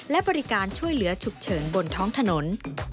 และบริการช่วยเหลือฉุกเฉินบนท้องถนน